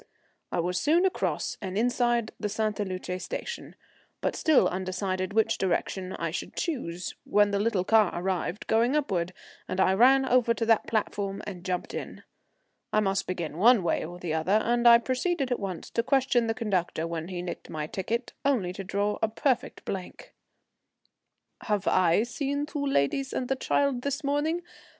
I was soon across and inside the Sainte Luce station, but still undecided which direction I should choose, when the little car arrived going upward, and I ran over to that platform and jumped in. I must begin one way or the other, and I proceeded at once to question the conductor, when he nicked my ticket, only to draw perfectly blank. "Have I seen two ladies and a child this morning?